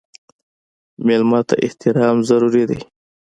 مېلمه ته احترام ضروري دی.